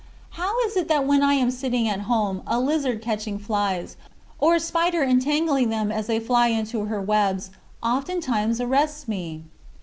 How is it that when I am sitting at home a lizard catching flies, or a spider entangling them as they fly into her webs, oftentimes arrests me?